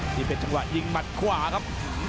นี้เป็นจังหวะมัดขวาครับ